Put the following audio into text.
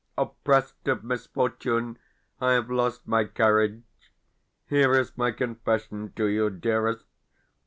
Oppressed of misfortune, I have lost my courage. Here is my confession to you, dearest.